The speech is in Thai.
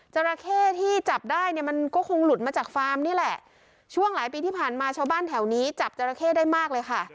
จราเข้ที่จับได้เนี่ยมันก็คงหลุดมาจากฟาร์มนี่แหละช่วงหลายปีที่ผ่านมาชาวบ้านแถวนี้จับจราเข้ได้มากเลยค่ะ